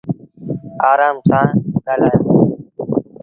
آرآم سآݩ ڳآلآيآ